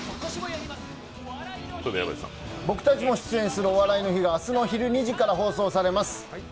僕たちも出演する「お笑いの日」が明日午後２時から放送されます。